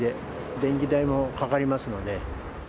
電気代もかかりますので。